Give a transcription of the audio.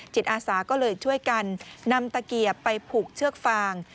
จิตอาสาก็เลยช่วยกันนำตะเกียบไปผูกเชือกฟาง